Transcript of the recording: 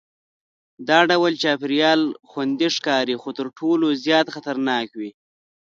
دا ډول چاپېریال خوندي ښکاري خو تر ټولو زیات خطرناک وي.